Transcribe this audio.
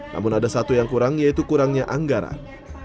namun ada satu yang kurang yaitu kurangnya anggaran